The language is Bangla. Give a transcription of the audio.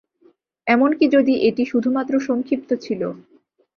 এমনকি যদি এটি শুধুমাত্র সংক্ষিপ্ত ছিল।